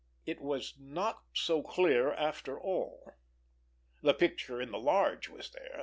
It was not so clear after all! The picture in the large was there.